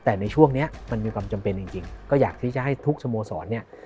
แต่ในช่วงนี้มันมีความจำเป็นจริงก็อยากที่จะให้ทุกสโมสรเนี่ย